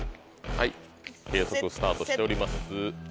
はい計測スタートしております。